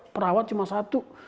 perawat cuma satu